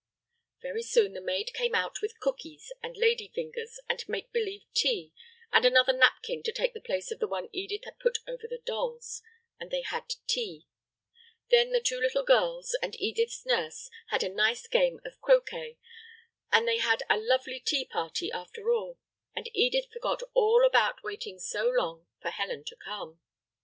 Very soon the maid came out with cookies and lady fingers and make believe tea, and another napkin to take the place of the one Edith had put over the dolls, and they had tea. Then the two little girls and Edith's nurse had a nice game of croquet, and they had a lovely tea party after all, and Edith forgot all about waiting so long for Helen to come.